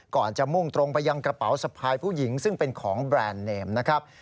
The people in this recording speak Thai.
ก่อนจะมุ่งตรงไปยังกระเป๋าสะพายผู้หญิงซึ่งเป็นของแบรนด์เนมนะครับ